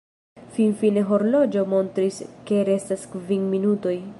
Finfine horloĝo montris ke restas kvin minutoj.